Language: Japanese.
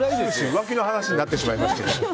浮気の話になってしまいました。